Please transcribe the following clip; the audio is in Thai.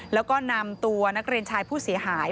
แล้วก็นำตัวนักเรียนชายผู้เสียหาย